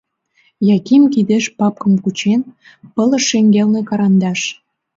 Яким кидеш папкым кучен, пылыш шеҥгелне карандаш.